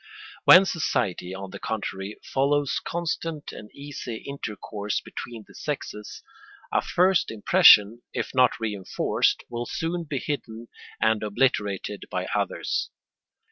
When society, on the contrary, allows constant and easy intercourse between the sexes, a first impression, if not reinforced, will soon be hidden and obliterated by others.